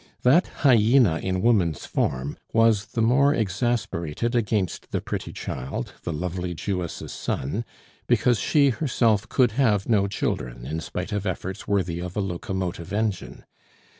That hyena in woman's form was the more exasperated against the pretty child, the lovely Jewess' son, because she herself could have no children in spite of efforts worthy of a locomotive engine.